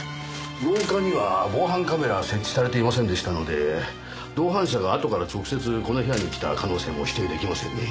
廊下には防犯カメラは設置されていませんでしたので同伴者があとから直接この部屋に来た可能性も否定出来ませんね。